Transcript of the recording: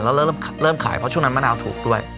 แล้วเริ่มขายเพราะช่วงนั้นมะนาวถูกด้วย